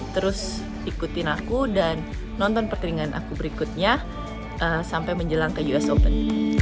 terus ikutin aku dan nonton perteringan aku berikutnya sampai menjelang ke us open